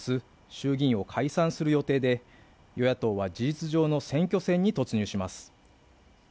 衆議院を解散する予定で与野党は事実上の選挙戦に突入します